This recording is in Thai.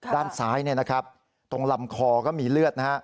ด้านซ้ายตรงลำคอก็มีเลือดนะฮะ